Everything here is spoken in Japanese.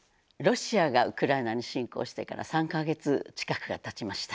ロシアがウクライナに侵攻してから３か月近くがたちました。